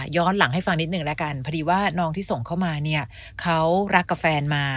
หลังให้ฟังนิดหนึ่งแล้วกันพอดีว่าน้องที่ส่งเข้ามาเนี่ยเขารักกับแฟนมา